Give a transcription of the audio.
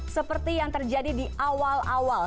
seperti yang terjadi di awal awal